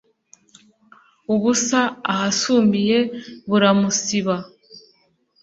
Ubusa ahasumiye buramubisa,